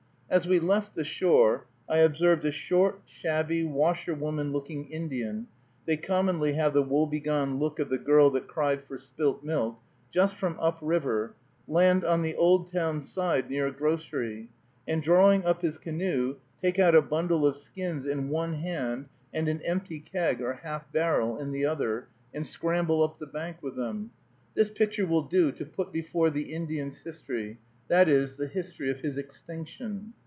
As we left the shore, I observed a short, shabby, washerwoman looking Indian, they commonly have the woebegone look of the girl that cried for spilt milk, just from "up river," land on the Oldtown side near a grocery, and, drawing up his canoe, take out a bundle of skins in one hand, and an empty keg or half barrel in the other, and scramble up the bank with them. This picture will do to put before the Indian's history, that is, the history of his extinction.